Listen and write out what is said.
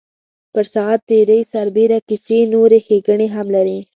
پر ساعت تېرۍ سربېره کیسې نورې ښیګڼې هم لري.